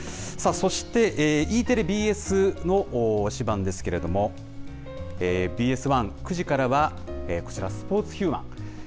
さあそして、Ｅテレ、ＢＳの推しバンですけれども、ＢＳ１、９時からは、こちら、スポーツ×ヒューマン。